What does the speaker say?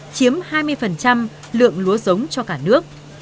chiếm hai mươi lượng lúa giống cho cả nước